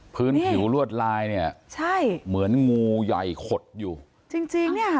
พื้นผิวลวดลายเนี่ยใช่เหมือนงูใหญ่ขดอยู่จริงจริงเนี้ย